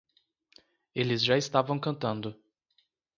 Eles já estavam cantando.